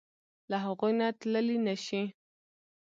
له هغوی نه تللی نشې.